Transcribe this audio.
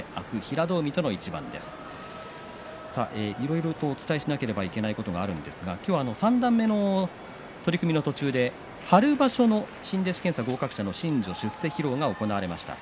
いろいろとお伝えしなければいけないことがあるんですが今日は三段目の取組の途中で春場所の新弟子検査合格者の新序出世披露が行われました。